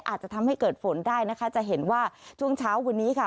อาจจะทำให้เกิดฝนได้นะคะจะเห็นว่าช่วงเช้าวันนี้ค่ะ